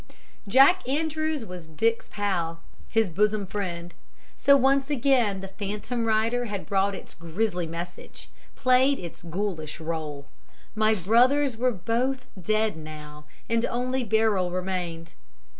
"Jack Andrews was Dick's pal his bosom friend. So once again the phantom rider had brought its grisly message played its ghoulish rôle. My brothers were both dead now, and only Beryl remained.